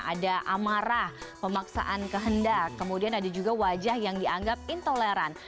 ada amarah pemaksaan kehendak kemudian ada juga wajah yang dianggap intoleran